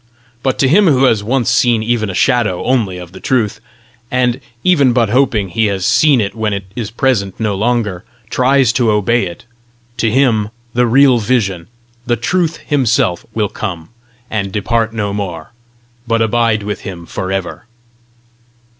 But to him who has once seen even a shadow only of the truth, and, even but hoping he has seen it when it is present no longer, tries to obey it to him the real vision, the Truth himself, will come, and depart no more, but abide with him for ever."